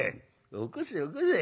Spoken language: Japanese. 「起こせ起こせ。